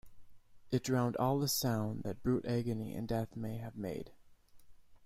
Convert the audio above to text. It drowned all sound that brute agony and death may have made.